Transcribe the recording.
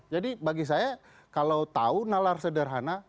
jadi bagi saya kalau tahu nalar sederhana